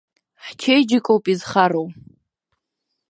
Ҳчеиџьыкоуп изхароу.